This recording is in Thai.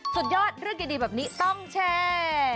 สุดยอดเรื่องดีแบบนี้ต้องแชร์